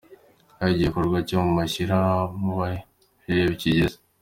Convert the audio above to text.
Aho igikorwa cyo ku mushyira mu Bahire kigeze .